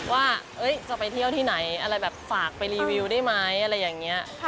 ว่าจะไปเที่ยวที่ไหนอะไรแบบฝากไปรีวิวได้ไหมอะไรอย่างนี้